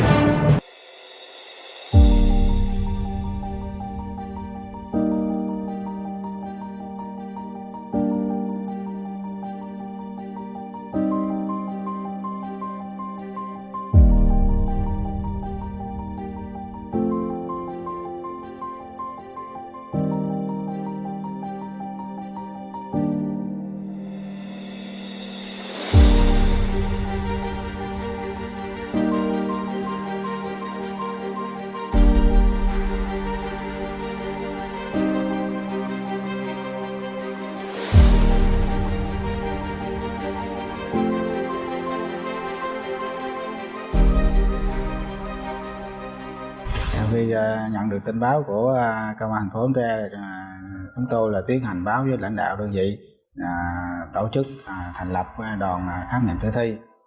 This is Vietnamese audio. sau khi nhận được tin báo của công an phố bến tre chúng tôi là tiến hành báo với lãnh đạo đơn vị tổ chức thành lập đoàn khám nghiệm thử thi